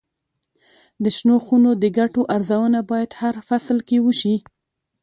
د شنو خونو د ګټو ارزونه باید هر فصل کې وشي.